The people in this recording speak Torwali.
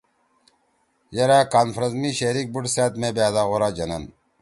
یرأ کانفرنس می شریک بُوڑ سأت مے بأدا غورا جنین۔